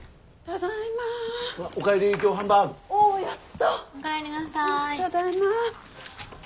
ただいま。